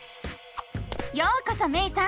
ようこそめいさん！